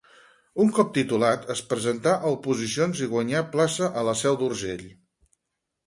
Un cop titulat, es presentà a oposicions i guanyà plaça a la Seu d'Urgell.